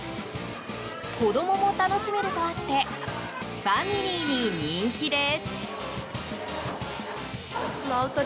子供も楽しめるとあってファミリーに人気です。